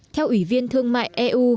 theo ủy viên thương mại eu